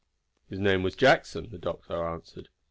"His name was Jackson," the doctor answered.